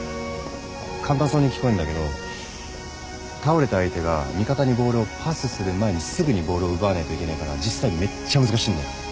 簡単そうに聞こえんだけど倒れた相手が味方にボールをパスする前にすぐにボールを奪わないといけねえから実際めっちゃ難しいんだよ。